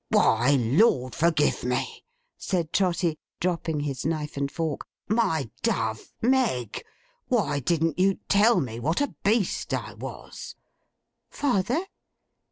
'Why, Lord forgive me!' said Trotty, dropping his knife and fork. 'My dove! Meg! why didn't you tell me what a beast I was?' 'Father?